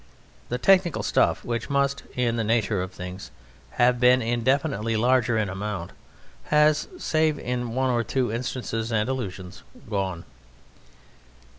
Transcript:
The technical stuff, which must, in the nature of things, have been indefinitely larger in amount, has (save in one or two instances and allusions) gone.